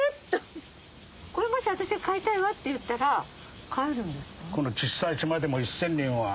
これもし私が飼いたいわって言ったら飼えるんですか？